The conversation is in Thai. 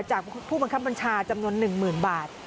จากผู้บังคับบัญชาจำนวนหนึ่งหมื่นบาท